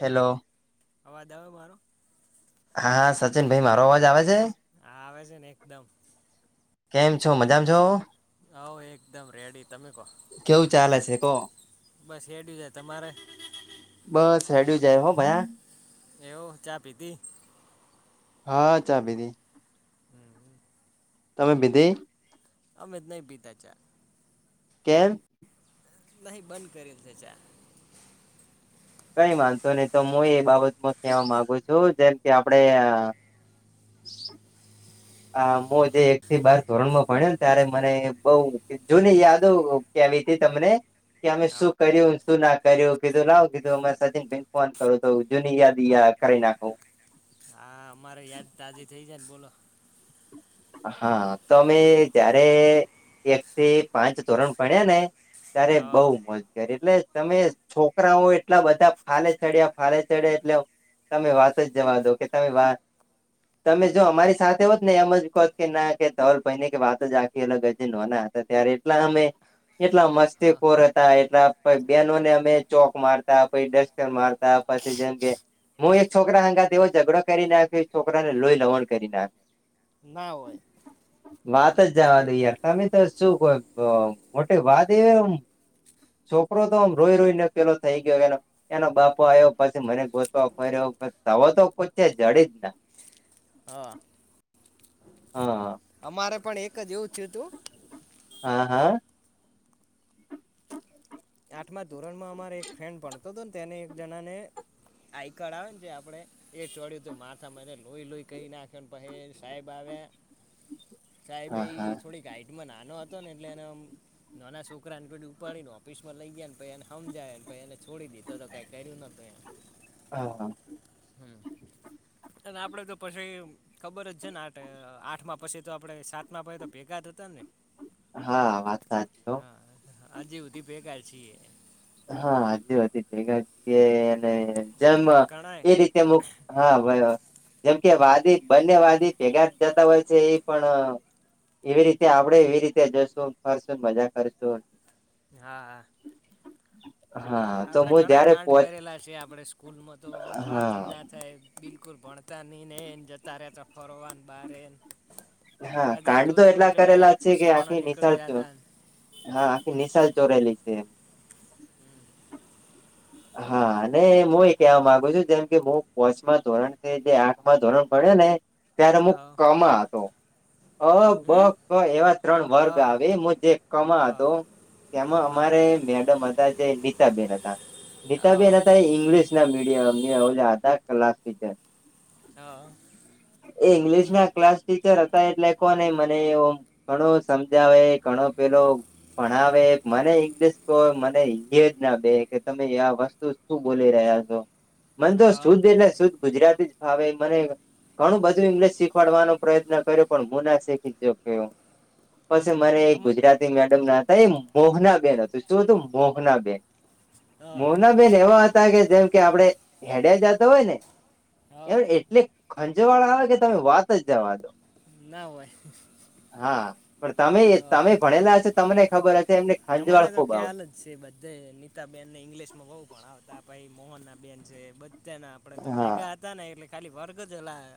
Hello hello અવાજ આવ્યો મારો? હા હા સચિન ભાઈ મારો અવાજ આવે છે. હા આવે છે ને એકદમ કેમ છો મજામાં છો હ એકદમ રેડી તમે કહો કેવું ચાલે છે કો બસ એેડી જાય તમારે બસ હેડિું જાય હો ભયા એવ ચા પીતી હા ચા ભી દી તમે પીધી અમે નહી પીતા ચાય કેમ નહી બંધ કરીને છે ચા કઈ માનતો નહી તો હું એ બાબતમાં કહેવા માગુ છું જેમ કે આપડે [unintelligible] આ મો જે એક થી બાર ધોરણ માં ભણ્યો ને ત્યારે મને બઉ જુની યાદો કેવી ત તમને કે અમે શું હા કર્યું તું ના કર્યો કીધું લાવ કીધું અમે સચિન ભાઈને ફોન કરો તો જૂની યાદી કરી નાખું હા અમારે યાદ તાજી થઇ જાય ને બોલો હા તો અમે જયારે એક થી પાંચ ધોરણ ભણ્યા ને ત્યારે બઉ હા મજ કરી એટલે તમે છોકરાઓ એટલા બધા ફાલે ચડ્યા ફાલે ચડ્યા એટલે તમે વાત જ જવા દો કે તમે વાત તમે જો અમારી સાથે હોત ને એમ જ કે ના કે તલ ભાઈને કે વાત જ આખી ન ના હતા ત્યારે એટલા અમે એટલા મસ્ત હા કોર હતા એટલા પ બહેનોને અમે ચોક મારતા પછ ડસ્ટકર મારતા પછી જેમ કે હું એક છોકરા અંગાર એવો ઝઘડો કરીને આપ્યો એક છોકરાને લોહી લવણ કરી ના આપ ના હોય વાત જ એ જવાનીઈ તમે તો શું કોઈ મોટી વાત એવી એમ છોકરો તો આમ રોઈ રોઈને પેલો થઈ ગયો એને એનો બાપો આવ્યો પછી મને ગોતવા ફર્યોછ તવા તો કોઈ છે જડી જ [unintelligible] હા હાહા અમારે પણ એક જ એવું થયું તું. હા હા આઠમા ધોરણમાં અમારે એક ફ્રેન્ડ ભણતો હતો ને તેને એક જણાને આઈ કાર્ડ આવે ને જે આપણે એ ચોડ્યું તું માથા મને લોઈ લોઈ કહી નાખ્યોને પછ સાહેબ આવ્યા સાહેબ હા એ હા થોડીક હાઈટ માં નાનો હતો ને એટલે એ નાના છોકરાને થોડી ઉપાડીને ઓફિસ લઈએ ને પને હમ જાય પને છોડી દીધો તો કઈ કર્યું નતું એ હા હમ અને આપડે તો પછી ખબર જ છે ને આઠ આઠમાં પછી તો આપડણે સાતમાં પ તો ભેગા થ હતા ને હા વાત [unintelligible] હા આજવધી બેકાર છી એ. હા આજુ બધી અને જેમ ઘણાય એ રી [unintelligible] જેમ કે વાદી બંને વાદી ભેગા જતા હોય છે એ પણ એવી રીતે આપડે એવી રીતે જઈશું કરશું મજા કરશું હા હા હા તો આપડે હું ઘણા જયારે કાંડ પહોંચ કરેલા છે આપે સ્કૂલમાં તો આમ વાત જ હા [unintelligible] થ બિલકુલ ભણતા નહી ને એ જતા રહેતા ફરવા બારે ને હા રજા કાંડ તો જોતી એટલા હોય કરેલા ડાયરેક્ટ છે કે પૂછાવાળા આખી નીકળી નિશાળજો. જતા ને હા આખી નિશાલ ચોરાલી છે એમ. હા. અને હું એક કહેવા માગુ છુ જેમ કે હું કોચમાં ધોરણ જે આઠ માં ધોરણ પડ્યો ને. ત્યારે મુુ હા કમાં હતો. અ બ હમ ક એવા ત્રણ વર્ગ હા આવે મુ જે કમા હા હતો. તેમાં હા અમારે મેડમ હતા જે નીતાબેન હતા. નીતાભાઈ હા એના ત ઇંગ્લિશ ના મીડિયમ હતા ક્લાસ ટીચર. હા. એ ઇંગ્લિશ ના ક્લાસ ટીચર હતા એટલે કોને મને એવ ઘણો સમજાવે ઘણો પેલો પણ હવે મને ઇંગ્લિશ કો મને જ ના બે કે ત આ વસ્તુ શું બોલી રહ્યા છો, મન તો હા શુદ્ધ એટલે શુદ્ધ ગુજરાતી જ હ મને ઘણું બધું ઇંગ્લિશ શીખવાડવાનો પ્રયત્ન કર્યો પણ હું ના શીખી શક્યો. પછી હમ મારે અમ ગુજરાતી મેડમ ના હતા એ મોહનાબેન હતું શું હતું મોહનાબેન. હા મોના બેેન એવા હતા કે જેમ કે આપડણે હેડયા જાતા હોય ને. હા એાર એટલે ખંજવાળા આવે કે તમે વાત જ જવા દો. ના હોય. હા પણ તમે તમે હા ભણેલા હશે તમને ખબર હશે એમને ખંજવાળ ખુબ આવ સ બધે નીતાબેનને ઇંગ્લિશમાં બહુ પણ આવતા ભાઈ મોહનનાબેન છે બધ તેના આપણેે તો હા ભેગા હતા ને એટલે ખાલી વર્ગ જ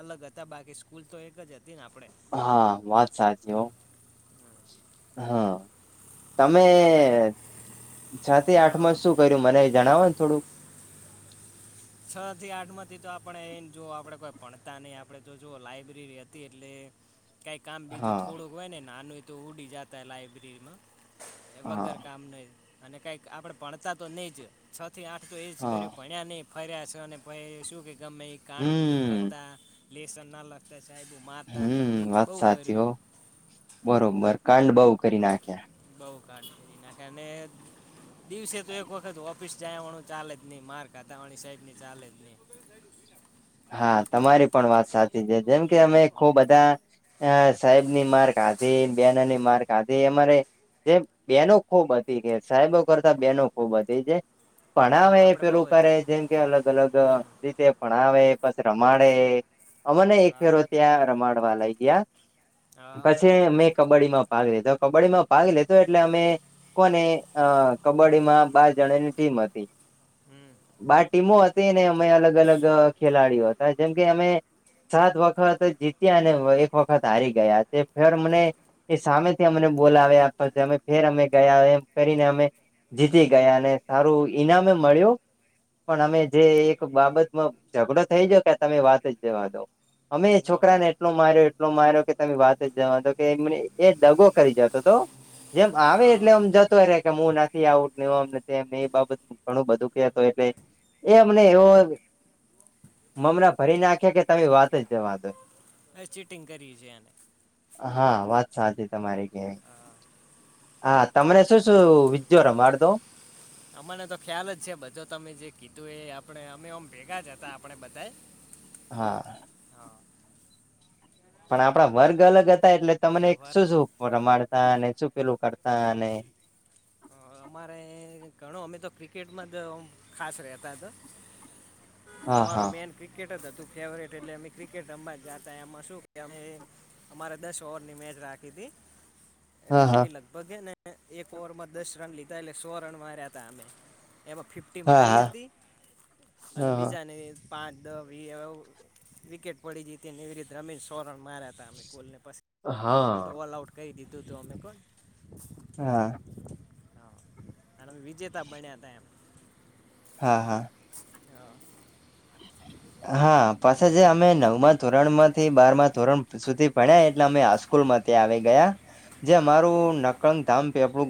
અલગ હતા બાકી સ્કૂલ તો એક જ હતી ને આપણે. હા વાત સાચી હો. હમ હા, તમે આપણે કંઈ છ થી આઠ માં શું શું કર્યું મને જણાવો ને થોડું? છ થી આઠ માંથી તો આપણે એને જો આપણે કોઈ ભણતા નહી આપણે જો જો લાઈબ્રેરી હતી એટલે કઈ કામ બીજું હા થોડુંક હોય ને નાનું એ તો ઉડી જતા લાઈબ્રેરીમાં એ હા વગર કામ નહી અને કઈક આપડે ભણતા તો નઈજ છ થી આઠ તો એજ હા કર્યું ભાણિયાનઈ, ફર્યા છે અને પ શું કે ગમેએ કાંડ બીજો હમ કરતા, લેસન ના લખતા, સાહેબ એ મારતાને બધું હમ વાત બો સાચી કર્યું હો એમ, હમ્મ. બરોબર કાંડ બોવ કરી નાખ્યા બઉ કાડ કરી નાખ્યા અને દિવસે તો એક વખત ઓફ ઓફિસ જયા વાળું ચાલે જ નઈ, માર ખાતા વાળની સાઈડની ચાલે જ ની હા, તમારી પણ વાત સાચી છે. જેમકે અમે ખો બધા અહ સાહેબની માર ખાધી, બેનોની માર ખાધી અમારે જે બેનો ખૂબ હતી, કે સાહેબો કરતા બેનો ખૂબ હતી જે હા ભણાવે આપણે બહુ પેલું કરે હતી જેમકે અલગ અલગ હમ રીતે ભણાવે પછ રમાડે, હમ અમને એક હા ફેરો ત્યાં રમાડવા લઈ ગયા. હા પછી મેં કબડ્ડીમાં ભાગ લીધો, કબડ્ડીમાં ભાગ લેતો એટલે અમે કોને અહ કબડ્ડીમાં બાર જણાની ટીમ હતી. હમ્મ. બાર ટીમો હતી ને અમે અલગ અલગ ખેલાડીઓ હતા જેમ કેમકે અમે સાત વખત જીત્યા અને એક વખત હારી ગયા છે ફેર મને એ સામેથી અમને બોલાવ્યા કરતે, અમે ફેર અમે ગયા, એમ કરીને અમે જીતી ગયા અને સારું ઈનામે મળ્યું, પણ હમ અમે જે એક બાબતમાં ઝઘડો થઈ જાયો કે તમે વાત જ જવા દો, અમે એ ના હોય છોકરાને એટલો માર્યો, એટલો માર્યો કે તમે વાત જવા જ દો કેમ એ દગો કરી જતો હતો, જેમ આવે હા એટલે આમ જતો રેહ કે હું નાથી આઉટ આમ ને તેમ એ બાબત ઘણું બધું કેતો એટલે એ તમને એવો મમણા ભરી નાખે કે તમે વાત જ જવા દો. ચિટિંગ કરી છે આને. હા વાત સાચી તમારી ક્યા હા. હા તમને શું શું વિજોરા માર દો? અમાને તો ખ્યાલ જ છે, બધું તમે જે કીધું એ આપણે અમેમ ભેગા જ હતા આપણે બધા. હા. હા. પણ આપણા વર્ગ અલગ હતા, એટલે તમને આભાર શું શું માણતા અને શું પેલું કરતા અને? હ અમારે ઘણો અમે તો ક્રિકેટમાં જ ખાસ રેતા હતા. હા અમારો હા મેન ક્રિકેટ જ હતું, ફેવરિટ એટલે અમે ક્રિકેટ એમાં શું કે અમે અમારે દસ ઓવરની મેચ રાખી હતી, એટલે હા અમી હા લગ પગે ને એક ઓવરમાં દસ રન લીધા એટલે સો રન માર્યા હતા અમે, એમાં ફિફ ઈ મારી હા હતી, અને હા બીજાને પાંચ દસ વીસ વિકેટ પડી જઈ હતી ને એવી રીતે રમીન સો રન માર્યા હતા અમે બોલને પસી હા. તો ઓલ આઉટ કહી દીધું હતું અમે પણ. હા. હા, અને વિજેતા બન્યા હતા એમ. હા હા. હા. હા પાછા જે અમે નવમાં ધોરણ માંથી બાર માં ધોરણ સુધી ભણ્યા એટલે અમે હાઈસ્કૂલ માંથી આવી ગયા, જે હા અમારું નકળગ ધામ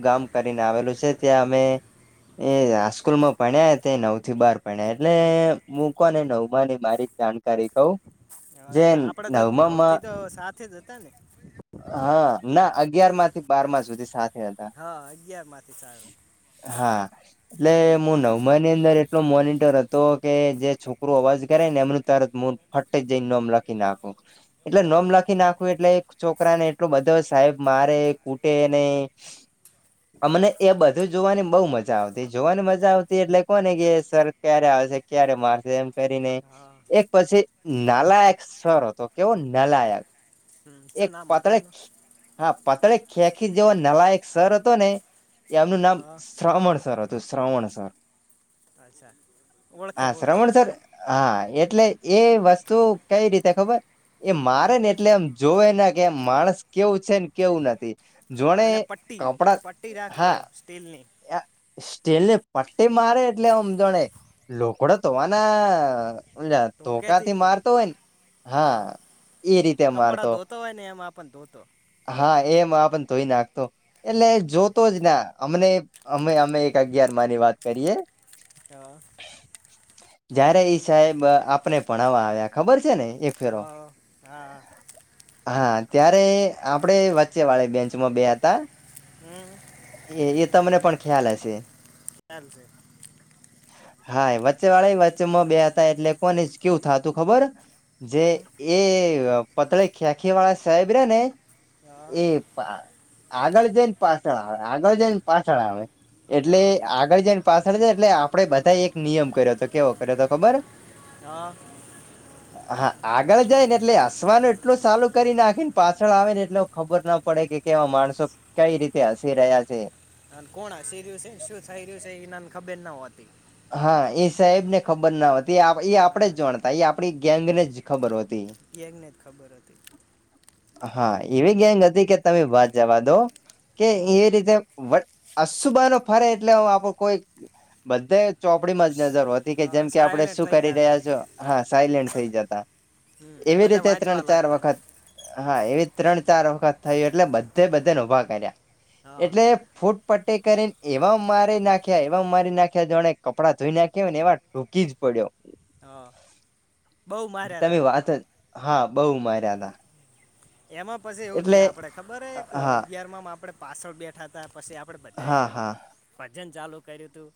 ગામ કરીને આવેલું છે ત્યાં અમે એ આ સ્કૂલ માં ભણ્યા હતા નવ થી બાર. પણ એટલે મુકોને નવમાંની મારી જાણકારી કવ. જે હ આપડે તો નવ નવમામાં થી તો સાથે જ હતા ને. હા ના અગિયારમાંથી બારમાં સુધી સાથે હતા. હા અગિયારમાંથી સારું હા, એટલે હા હું નવમા ની અંદર એટલો મોનિટર હતો. કે જે છોકરું અવાજ કરે ને એમનું તરત મુહ ફાટી જઈ નેમ લખી નાખું. એટલે નોમ હા લખી નાખવું એટલે છોકરા ને એટલો બધો સાહેબ મારે કૂટેને. અમને એ બધું જ જોવાની બહુ મજા આવતી જોવાની મજા આવતી એટલે કોને કે સર ક્યારે આવશે, ક્યારે મારશે એમ. કરીને, હા એક પછી નાલાયક સર હતો, કેવો નાલાયક. હમ, શું એક નામ હતું એનું પાતળીક્ષ હા પતળે ખેંખી જેવો નાલાયક સર હતો, ને એમનું નામ હા શ્રાવણ સર હતું. તો શ્રાવણ સર. અચ્છા. હા ઓળખ્યા શ્રાવણ ઓળખ્યા સર હા એટલે એ વસ્તુ કંઈ રીતે ખબર. એ હા મારે ને એટલે એમ જોવે ના કે માણસ કેવું છે ને કેવું નથી. જોણે અને પટ્ટી પટ્ટી રાખતો સ્ટીલની. સ્ટીલ ને પટ્ટી મારે એટલે આમ જોણે લોકડો તો આના ધોકેથી તોખાથી મારતો હોય ને. હા એ રીતે માર કપડાં તો. ધોતો હોય ને એમાં પણ ધોતો હા એમ આ પણ તોઈ નાખતો, એટલે જોતો જ ના અમને અમે અમે એક અગિયાર માની વાત કરીએ. હા. જયારે ઈ સાહેબ આપને ભણાવવા આવ્યા ખબર છે ને એક ફેરો હા હા. હા ત્યારે આપડે વચ્ચે વાળે બેન્ચમાં બે હતા. હું. એ એ તમને પણ ખ્યાલ હશે. ખ્યાલ છે. હા વચ્ચે વાળા વચ્ચેમાં બે હતા એટલે કોને કેવું થતું ખબર જે હમ, એ પતળે ખ્યાખી વાળા સાહેબ રે ને અ, એ આગળ જઈને પાછળ આવે આગળ જઈને પાછળ આવે અ, એટલે આગળ જને પાછળ છે એટલે આપડે બધા એક નિયમ કર્યો હતો કેવો કર્યો હતો ખબર હા હા આગળ જાય ને એટલે હસવાનું એટલું સાલું કરી નાખી ને પાછળ આવે ને એટલે ખબર ના પડે કે કેવા માણસો કઈ રીતે હસી રહ્યા છે. કોણ હ રહ્યું છે શું થ રહ્યું છે એનાને ખબર ન હોતી હા એ સાહેબ ને ખબર ના હોતી એ આપણેે હા જાણતા એ આપડી ગેંગ ને જ ખબર હોત જને જ ખબર હતી હા એવી ગેંગ હતી કે તમે ભત જવા દો કે એ હમ, રીતે અસુબાનો ફરે એટલે આપડ કોઈ બધે ચોપડીમાં જ નજર હતી કે જેમ હા કે આપડે સાયલેન્ટ શું થઈ કરી જતા રહ્યા છો હા સાયલેન્ટ થઈ જતા હમ, અને એવી બધા રીતે ત્રણ વાંચવા ચાર લાગતા વખત હા એવી ત્રણ ચાર વખત થયું એટલે બધે બધેને ઉભા કર્યા હા એટલે ફૂટ પટ્ટી કરીને એવા મારી નાખ્યા એવા મારી નાખ્યા જાણે કપડા ધોઈ નાખી ને એ ટોકી જ પડ્યો હા બહુ માર્યા તમે હતા વાત જ હા બઉ માર્યા તા એમાં પછી એવું થય આપડે ખબર એક હા અગિયાર માં આપડે પાછળ બે હતા પછી આપડે બધાએ હા હા ભજન ચાલુ કર્યું હતું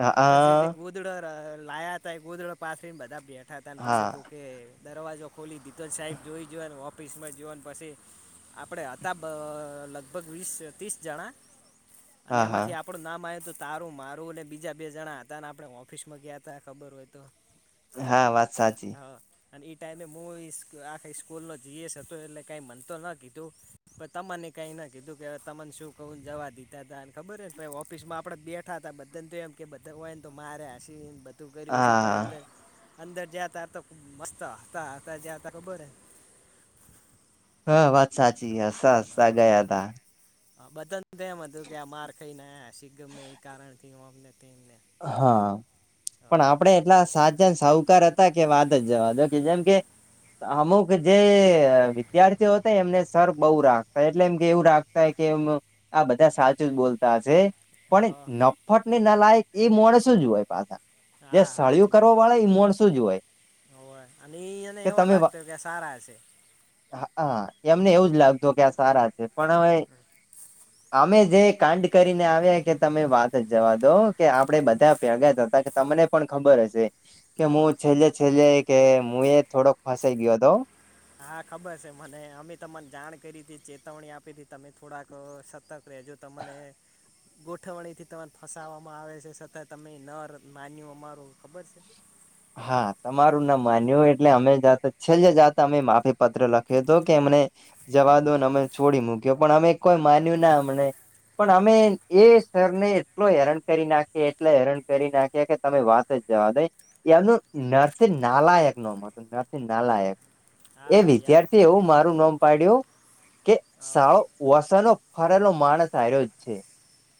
હા પછી જે હા બુધધ ગોધડ લાયા ત ગોધડ પાસેને બધા બેઠા હતા પછી હા કોકે દરવાજો ખોલી દીધલ સાહેબ જોઈ જને ઓફિસમાં જોને પછી, આપણે હતા લગભગ વીસ ત્રીસ જણા, અને હા હા એમાંથી આપ આપણું નામ આવ્યું હતું તારું મારું અનેને બીજા બે જણા હતા ને આપણે ઓફિસમાં ગયા ત ખબર હોય તો. હા વાત સાચી. હ અને ઈ ટાઈમે હું આખા સ્કૂલ નો જી એસ એટલે કઈ મનતો ન કીધું, પણ તમને કઈ ના કીધું કે તમને શું કવું જવા દીધું. હતા અને ખબર ઓફિસમાં આપે બેઠા હતા બધાને તો એમ કે બધા હોય ને તો મારે હસી. તું કર્યું છે હા પણ હા અંદર અંદર જતા તો ખબ મસ્ત હતા હતા હતા હતા જતા ખબર હ. હા વાત સાચી હ હ ગયા તા. હા બધાને એમ હતું કે આ માર ખાઈને શ ગમને એ કારણ કમને. હા પણ આપ આપડણે એટલા સાચાન સાહુકાર હતા કે વાત જ જવા દો કે જેમ કે અમુક જે વિદ્યાર્થીઓ હતા એમને સર બહુ રાખતા એટલે એમ કે એવું રાખ કેમ આ બધા સાચું જ બોલતા હશે. પણ હા નફટને ના લાયક એ મોડ શું જય પાછા, જે હા સળયું કરવા વાળે મોણ શું જ હોય. હ અને એ એને કે એવા તમે લાગતો કે આ સારા હશે. હા એમને એવું જ લાગતું કે આ સારા છે. પણ હવે અમે જે કાંડ કરીને આવ્યા કે તમે વાત જ જવા દો. કે આપડે બધા પેગા હતા કે તમને પણ ખબર હશે, કે હા હું છેલ્લે છેલ્લે કે હું એ થોડોક ફસાઈ ગયો હતો. હા ખબર છે મને અમે તમને જાણ કરી હતી ચેતવણી આપી હતી તમે થોડાક સતત પ્રે જો તમને ગોઠવણી થી તમારે ફસાવવામાં આવે છે છતાં તમે ન માન્યું અમાર ખબર છે? હા તમારું ના માન્યું હોય એટલે અમે જાતા છેલ્ જાતા અમે માફી પત્ર લખ તો કે અમને જવા દો અમે છોડી મૂક્યો પણ અમે કોઈ માન્યું ના અમને પણ અમે એ સરને એટલો હેરાન કરી નાખી એટલા હેરાન કરી નાખ્યા કે તમે વાત ટ જવાડો એમનું નરસિંહ નાલાયક નોમ હતું નરસિંહ હમ નાલાયક એ હા યાદ છે વિદ્યાર્થી એવું મારું નોમ પડ્યો કે હા સાળો વસનો ફરેલો માણસ આ્યો જ છે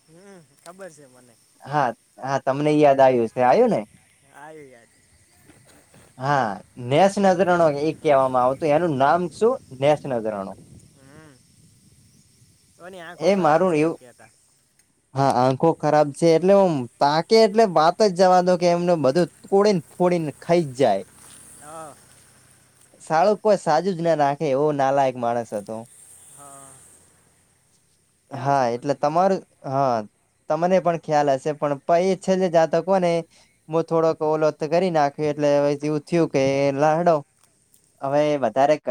હમ ખબર છે મને હા હા તમને યાદ આયું શે આયુ ને આવ્યું યાદ હા નેસ નજરાનો એ કહેવામાં આવતું એનું નામ શું નેસ નજરાનું હમ તોની આંખો એ ખરાબ મારું છે એમ એવું કેતા હા આંખો ખરાબ છે એટલે હું તાકે એટલે વાત જ જવા દો કે એમને બધું જ તોડી ફોદિને ખઈ જ જાય હા સાળું કોઈ સાજું જ ન રાખે એવો નાલાયક માણસ હતો હા ખ્યાલ હા છે મને એટલે બધી તમારું હા તમને પણ ખ્યાલ હશે પણ પ એ છે જે જાતકો ને હું થોડોક ઓલો કરી નાખ્યો એટલે હ એવું થયું કે લહડો હવે એ વધારે કર